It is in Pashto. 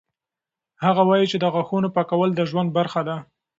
هغه وایي چې د غاښونو پاکول د ژوند برخه ده.